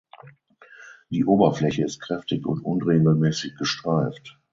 Die Oberfläche ist kräftig und unregelmäßig gestreift.